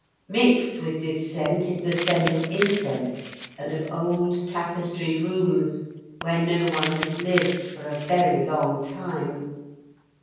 Mixed with this scent is the scent of incense and of old tapestried rooms, where no one has lived for a very long time.